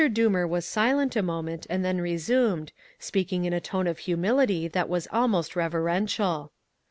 Doomer was silent a moment and then resumed, speaking in a tone of humility that was almost reverential.